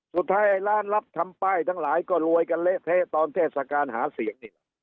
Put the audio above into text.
สุดท้ายไอ้ร้านรับทำป้ายทั้งหลายก็รวยกันเละเทะตอนเทศกาลหาเสียงนี่